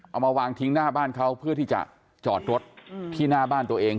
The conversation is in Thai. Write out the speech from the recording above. เอามาวางทิ้งหน้าบ้านเขาเพื่อที่จะจอดรถที่หน้าบ้านตัวเอง